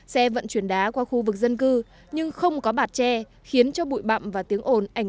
xe vận chuyển đá qua khu vực dân cư nhưng không có bản thân